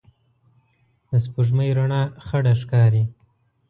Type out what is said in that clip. د سپوږمۍ رڼا خړه ښکاري